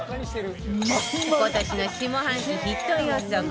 今年の下半期ヒット予測